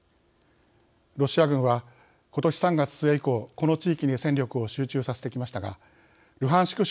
ロシア軍は、ことし３月末以降この地域に戦力を集中させてきましたがルハンシク